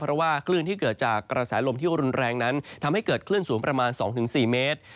เพราะว่าคลื่นที่เกิดจากกระแสลมที่รุนแรงนั้นทำให้เกิดคลื่นสูงประมาณ๒๔เมตร